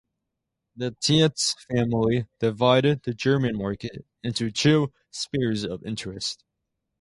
The Tietz family divided the German market into two spheres of interest.